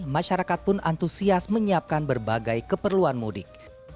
masyarakat pun antusias menyiapkan berbagai keperluan mudik